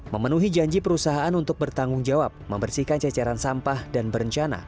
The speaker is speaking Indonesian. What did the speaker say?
memenuhi janji perusahaan untuk bertanggung jawab membersihkan ceceran sampah dan berencana